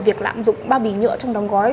việc lạm dụng ba bì nhựa trong đồng gói